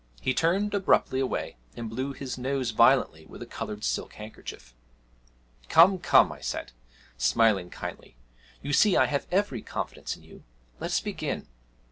He turned abruptly away and blew his nose violently with a coloured silk handkerchief. 'Come, come,' I said, smiling kindly, 'you see I have every confidence in you let us begin.